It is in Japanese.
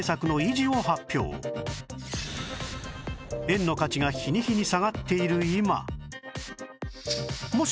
円の価値が日に日に下がっている今